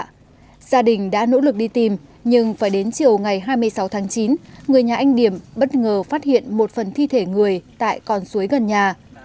tuy nhiên đã nỗ lực đi tìm nhưng phải đến chiều ngày hai mươi sáu tháng chín người nhà anh điểm bất ngờ phát hiện một phần thi thể người tại con suối gần nhà